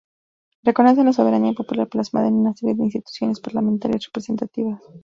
Reconocen la soberanía popular plasmada en una serie de instituciones parlamentarias representativas.